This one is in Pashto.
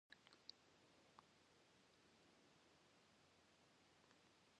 فرهنګي بې غوري د ټولنې د زوال او د نفاق د خپرېدو لامل ګرځي.